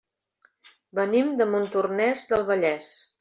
Venim de Montornès del Vallès.